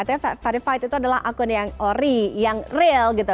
atau verified itu adalah akun yang real gitu